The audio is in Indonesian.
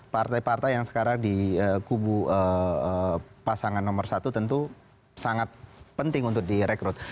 partai partai yang sekarang di kubu pasangan nomor satu tentu sangat penting untuk direkrut